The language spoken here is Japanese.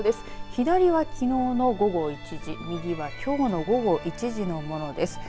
左はきのうの午後１時右はきょうの午後１時のものです。